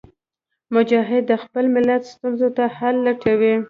مجاهد د خپل ملت ستونزو ته حل لټوي.